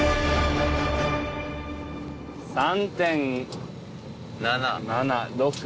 ３．７６。